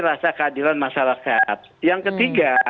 rasa keadilan masyarakat yang ketiga